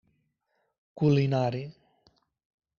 Culinari: